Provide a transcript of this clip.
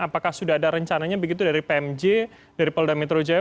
apakah sudah ada rencananya begitu dari pmj dari polda metro jaya